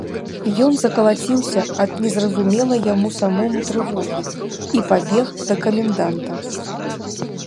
Ён закалаціўся ад незразумелай яму самому трывогі і пабег да каменданта.